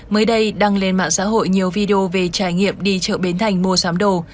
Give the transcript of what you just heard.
mới đây đăng lên mạng xã hội nhiều video về trải nghiệm đi chợ bến thành mua sắm đồ